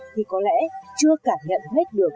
thì có lẽ chưa cảm nhận hết được